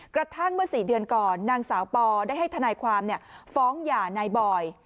กระทั่งเมื่อ๔เดือนก่อนนางสาวปอได้ให้ทนายความฟ้องหย่านายบอย